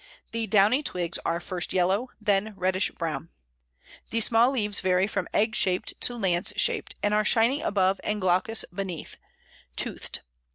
The downy twigs are first yellow, then reddish brown. The small leaves vary from egg shaped to lance shaped, and are shining above and glaucous beneath; toothed.